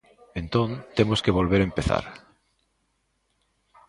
Entón temos que volver empezar.